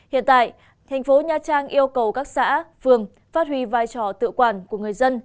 hiện tại thành phố nha trang yêu cầu các xã phường phát huy vai trò tự quản của người dân